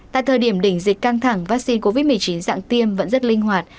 tại thời điểm đỉnh dịch căng thẳng vaccine covid một mươi chín dạng tiêm vẫn rất linh hoạt